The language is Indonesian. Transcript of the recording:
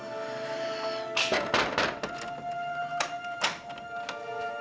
aku sudah mencintai kamila